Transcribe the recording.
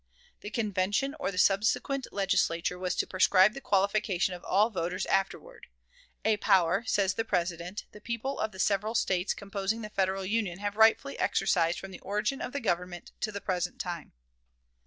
The convention or the subsequent Legislature was to prescribe the qualification of all voters afterward "a power," says the President, "the people of the several States composing the Federal Union have rightfully exercised from the origin of the Government to the present time."